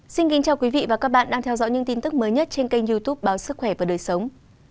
xin kính chào quý vị và các bạn đang theo dõi những tin tức mới nhất trên kênh youtube báo sức khỏe và đời sống